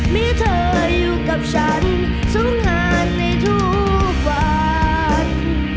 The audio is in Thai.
มีเธออยู่กับฉันสู้งานในทุกวัน